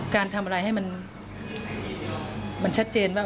การทำอะไรให้มันชัดเจนบ้าง